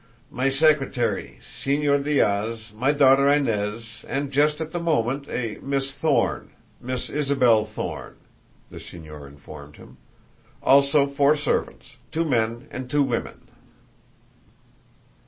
"My secretary, Señor Diaz, my daughter Inez, and just at the moment, a Miss Thorne Miss Isabel Thorne," the señor informed him. "Also four servants two men and two women."